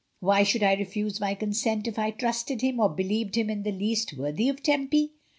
Why should I refuse my consent if I trusted him, or believed him in the least worthy of Tempy?"